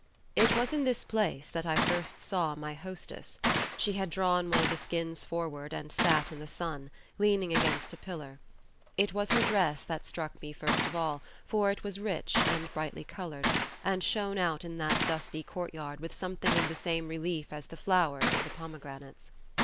It was in this place that I first saw my hostess. She had drawn one of the skins forward and sat in the sun, leaning against a pillar. It was her dress that struck me first of all, for it was rich and brightly coloured, and shone out in that dusty courtyard with something of the same relief as the flowers of the pomegranates.